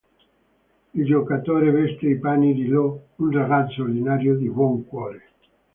Il giocatore veste i panni di Io, un ragazzo ordinario di buon cuore.